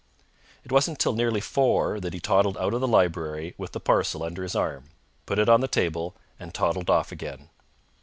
It wasn't till nearly four that he toddled out of the library with the parcel under his arm, put it on the table, and toddled off again.